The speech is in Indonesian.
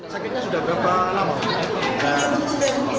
sakitnya sudah berapa lama